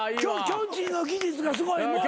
きょんちぃの技術がすごい。